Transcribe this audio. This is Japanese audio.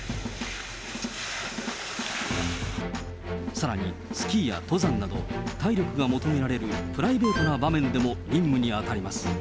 さらに、スキーや登山など、体力が求められるプライベートな場面でも任務に当たります。